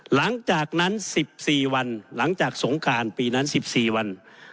หลังจากนั้น๑๔วันหลังจากสงการปีนั้น๑๔วัน